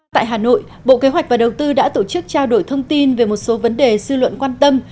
tại hà nội bộ kế hoạch và đầu tư đã tổ chức trao đổi thông tin về một số vấn đề dư luận quan tâm